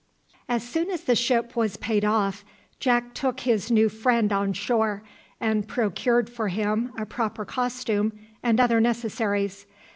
As soon as the ship was paid off, Jack took his new friend on shore, and procured for him a proper costume and other necessaries.